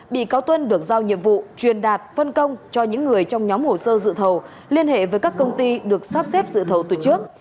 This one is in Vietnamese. bị cáo tuân được giao nhiệm vụ truyền đạt phân công cho những người trong nhóm hồ sơ dự thầu liên hệ với các công ty được sắp xếp dự thầu từ trước